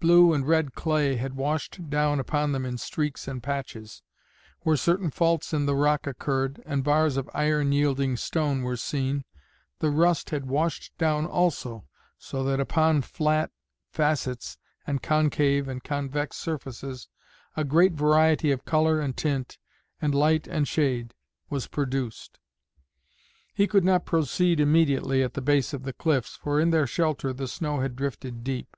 Blue and red clay had washed down upon them in streaks and patches; where certain faults in the rock occurred, and bars of iron yielding stone were seen, the rust had washed down also, so that upon flat facets and concave and convex surfaces a great variety of colour and tint, and light and shade, was produced. He could not proceed immediately at the base of the cliffs, for in their shelter the snow had drifted deep.